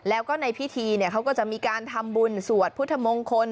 แล้วก็ในพิธีเขาก็จะมีการทำบุญสวดพุทธมงคล